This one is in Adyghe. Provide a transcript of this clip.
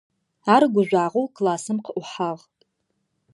Ар гужъуагъэу классым къыӀухьагъ.